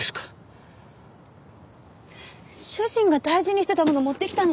主人が大事にしてたもの持ってきたの。